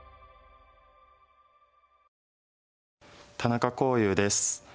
田中康湧です。